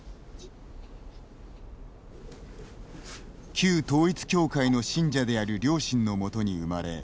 旧統一教会の信者である両親のもとに生まれ